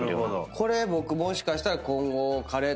これ僕もしかしたら。